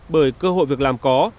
bởi cơ hội việc làm có